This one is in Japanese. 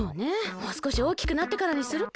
もうすこしおおきくなってからにするか。